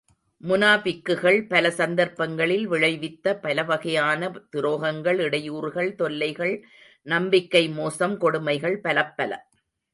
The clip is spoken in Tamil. முனாபிக்குகள் பல சந்தர்ப்பங்களில் விளைவித்த பலவகையான துரோகங்கள், இடையூறுகள், தொல்லைகள், நம்பிக்கை மோசம், கொடுமைகள் பலப்பல.